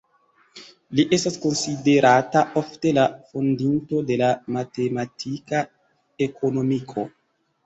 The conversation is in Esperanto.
Li estas konsiderata ofte la fondinto de la matematika ekonomiko.